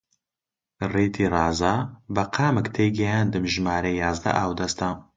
ڕیتی ڕازا! بە قامک تێیگەیاندم ژمارە یازدە ئاودەستە